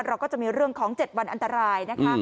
เราก็จะมีเรื่องของ๗วันอันตรายนะคะ